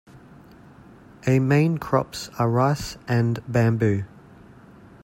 A main crops are rice and bamboo.